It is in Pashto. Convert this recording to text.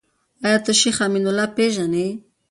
آيا ته شيخ امين الله پېژنې ؟